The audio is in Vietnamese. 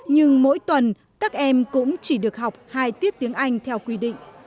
nhưng mỗi tuần các em cũng chỉ được học hai tiết tiếng anh theo quy định